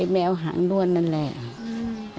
แมวหางด้วนนั่นแหละ